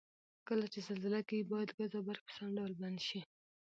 کله چې زلزله کیږي باید ګاز او برق په سم ډول بند شي؟